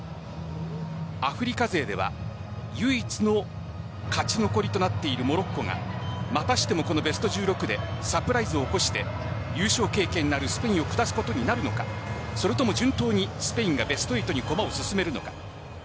アフリカ勢では唯一の勝ち残りとなっているモロッコがまたしても、このベスト１６でサプライズを起こして優勝経験のあるスペインを下すことになるのかそれとも順当にスペインがベスト８に駒を進めるのか。